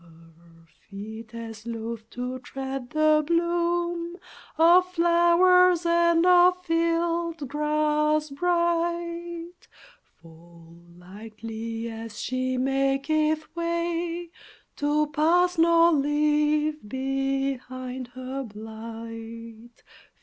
Her feet, as loath to tread the bloom Of flowers and of field grass bright, Fall lightly as she maketh way To pass, nor leave behind her blight.